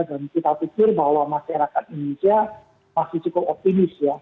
dan kita pikir bahwa masyarakat indonesia masih cukup optimis ya